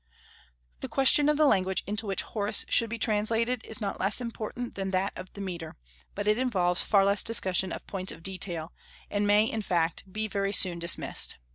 The question of the language into which Horace should be translated is not less important than that of the metre; but it involves far less discussion of points of detail, and may, in fact, be very soon dismissed.